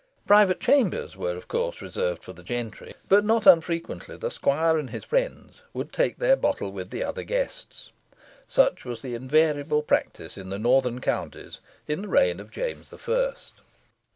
Private chambers were, of course, reserved for the gentry; but not unfrequently the squire and his friends would take their bottle with the other guests. Such was the invariable practice in the northern counties in the reign of James the First.